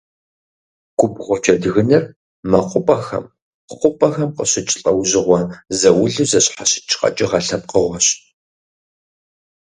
Губгъуэ джэдгынр мэкъупӏэхэм, хъупӏэхэм къыщыкӏ, лӏэужьыгъуэ заулу зэщхьэщыкӏ къэкӏыгъэ лъэпкъыгъуэщ.